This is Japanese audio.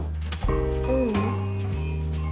ううん。